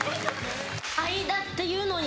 「愛だっていうのに」